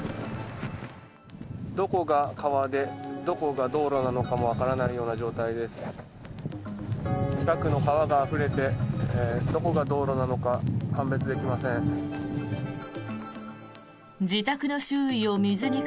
どこが川でどこが道路なのかもわからないような状態です。